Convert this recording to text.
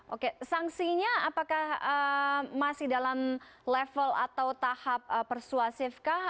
oke sanksinya apakah masih dalam level atau tahap persuasif kah